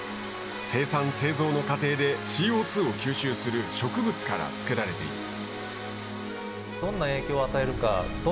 生産・製造の過程でＣＯ２を吸収する植物から作られている。